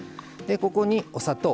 ここにお砂糖。